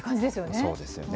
そうですよね。